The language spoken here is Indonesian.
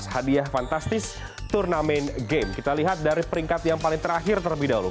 hadiah fantastis turnamen game kita lihat dari peringkat yang paling terakhir terlebih dahulu